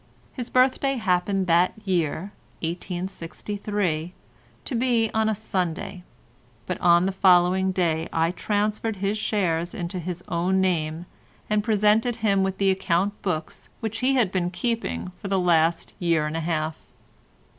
His birthday happened that year (1863) to be on a Sunday, but on the following day I transferred his shares into his own name, and presented him with the account books which he had been keeping for the last year and a half.